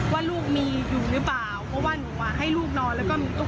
ว่าลูกมีอยู่หรือเปล่าเพราะว่าหนูอ่ะให้ลูกนอนแล้วก็มีตู้